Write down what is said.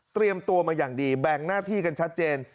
ตัวมาอย่างดีแบ่งหน้าที่กันชัดเจน